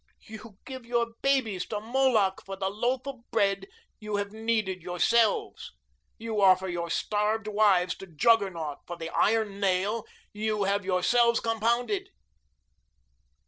You give your babies to Moloch for the loaf of bread you have kneaded yourselves. You offer your starved wives to Juggernaut for the iron nail you have yourselves compounded."